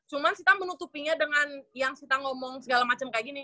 cuman sita menutupinya dengan yang sita ngomong segala macem kayak gini